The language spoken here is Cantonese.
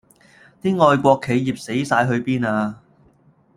啲愛國企業死哂去邊呀